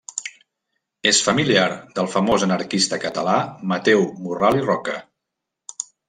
És familiar del famós anarquista català Mateu Morral i Roca.